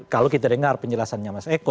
kalau kita dengar penjelasannya mas eko